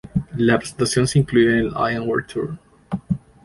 La presentación se incluyó en "I Am... World Tour".